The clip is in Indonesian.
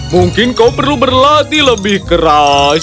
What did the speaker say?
mungkin kau perlu berlatih lebih keras